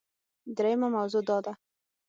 دریمه موضوع دا ده